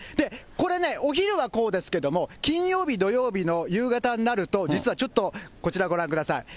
これね、お昼はこうですけれども、金曜日、土曜日の夕方になると、実はちょっとこちらご覧ください。